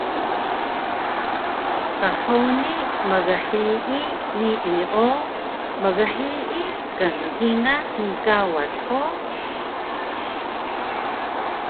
Qhuni mghiyi nii o mghiyi kngkingal hngkawas hug?